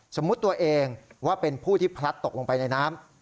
สมมุติตัวเองว่าเป็นผู้ที่พลัดตกลงไปในน้ำ